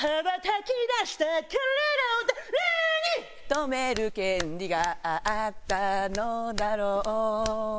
「止める権利があったのだろう」